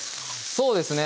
そうですね